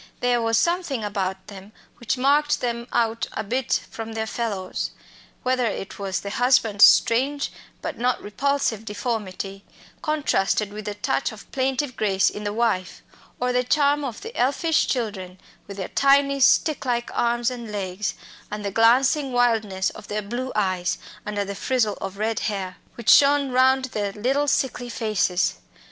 There was something about them which marked them out a bit from their fellows whether it was the husband's strange but not repulsive deformity, contrasted with the touch of plaintive grace in the wife, or the charm of the elfish children, with their tiny stick like arms and legs, and the glancing wildness of their blue eyes, under the frizzle of red hair, which shone round their little sickly faces.